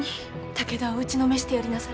武田を打ちのめしてやりなされ。